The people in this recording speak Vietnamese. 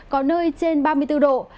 có nơi trên ba mươi bốn độ